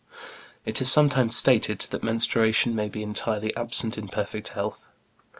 It is sometimes stated that menstruation may be entirely absent in perfect health.